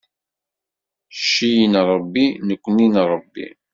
Cci n Ṛebbi, nekni n Ṛebbi.